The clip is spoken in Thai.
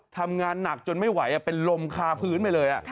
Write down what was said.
ทำงานหนักจนไม่ไหวเป็นลมคาพื้นไปเลย